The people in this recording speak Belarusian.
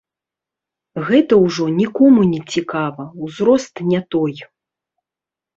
Гэта ўжо нікому не цікава, узрост не той.